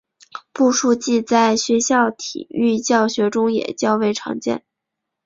步数计在学校体育教学中也较为常见。